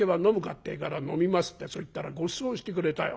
ってえから『飲みます』ってそう言ったらごちそうしてくれたよ。